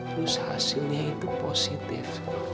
terus hasilnya itu positif